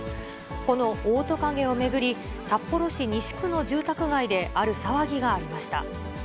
このオオトカゲを巡り、札幌市西区の住宅街で、ある騒ぎがありました。